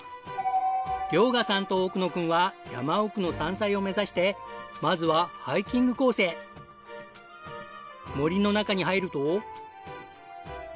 遼河さんと奥野君は山奥の山菜を目指してまずは森の中に入ると。